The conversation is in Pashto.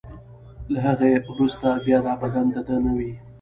له هغه څخه وروسته بیا دا بدن د ده نه وي.